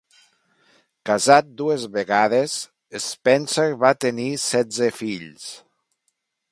Casat dues vegades, Spencer va tenir setze fills.